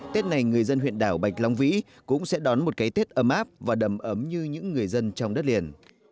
tết này người dân huyện đảo bạch long vĩ cũng sẽ đón một cái tết ấm áp và đầm ấm như những người dân trong đất liền